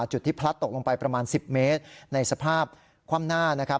จุดที่พลัดตกลงไปประมาณ๑๐เมตรในสภาพคว่ำหน้านะครับ